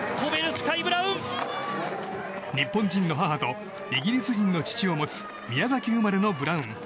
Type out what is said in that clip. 日本人の母とイギリス人の父を持つ宮崎生まれのブラウン。